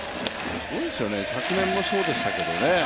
すごいですよね、昨年もそうでしたけどね。